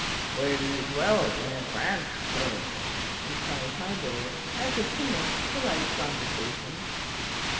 "Where do you dwell when in France, sir?" inquired my lord, as if to make polite conversation.